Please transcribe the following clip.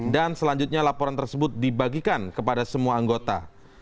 dan selanjutnya laporan tersebut dibagikan kepada semua anggota